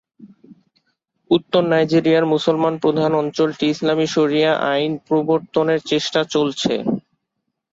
উত্তর নাইজেরিয়ার মুসলমান প্রধান অঞ্চলটিতে ইসলামী শরিয়া আইন প্রবর্তনের চেষ্টা চলছে।